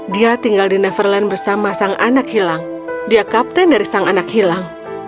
dia tinggal di neverland bersama sang anak hilang dia kapten dari sang anak hilang